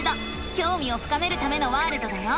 きょうみを深めるためのワールドだよ！